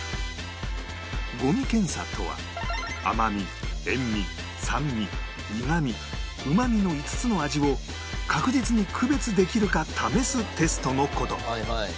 五味検査とは甘味塩味酸味苦味うま味の５つの味を確実に区別できるか試すテストの事